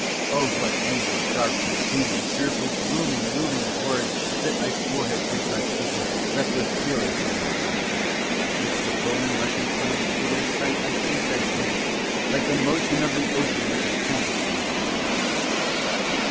Oh, what anger dark, consuming, fearful, glooming, looming horrid, Lit my forehead, draped my figure, leapt with fury from my glance; 'Midst the foemen rushing frantic, to their sight I seemed gigantic, Like the motion of the ocean, like a tempest my advance.